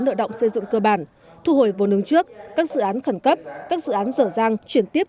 nội động xây dựng cơ bản thu hồi vốn hướng trước các dự án khẩn cấp các dự án rở rang chuyển tiếp